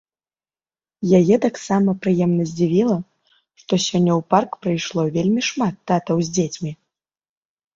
Яе таксама прыемна здзівіла, што сёння ў парк прыйшло вельмі шмат татаў з дзецьмі.